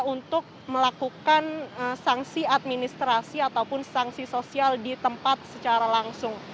untuk melakukan sanksi administrasi ataupun sanksi sosial di tempat secara langsung